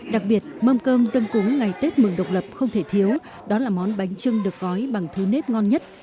đặc biệt mâm cơm dân cúng ngày tết mừng độc lập không thể thiếu đó là món bánh trưng được gói bằng thứ nếp ngon nhất